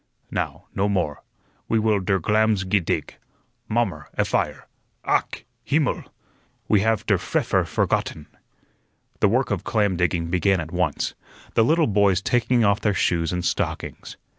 Now, no more. We will der glams ge dig, Mommer, a fire. Ach, himmel! we have der pfeffer forgotten." The work of clam digging began at once, the little boys taking off their shoes and stockings.